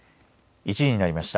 １時になりました。